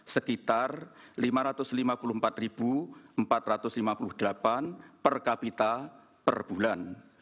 sekitar rp lima ratus lima puluh empat empat ratus lima puluh delapan per kapita per bulan